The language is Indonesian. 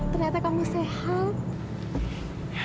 ternyata kamu sehat